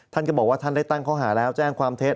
ท่านก็บอกว่าท่านได้ตั้งข้อหาแล้วแจ้งความเท็จ